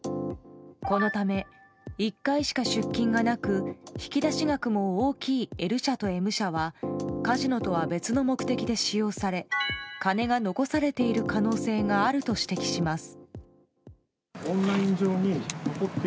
このため、１回しか出金がなく引き出し額も大きいＬ社とＭ社はカジノとは別の目的で使用され金が残されている可能性があると指摘します。